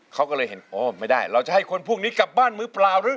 เขาก็เลยเห็นโอ้ไม่ได้เราจะให้คนพวกนี้กลับบ้านมือเปล่าหรือ